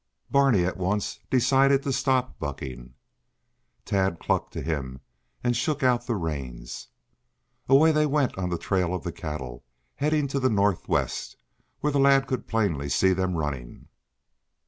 Barney at once decided to stop bucking. Tad clucked to him and shook out the reins. Away they went on the trail of the cattle, heading to the northwest, where the lad could plainly see them running.